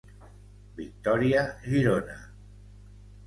Victòria Girona.